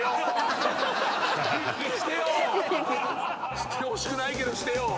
してほしくないけどしてよ！